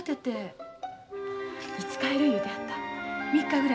３日？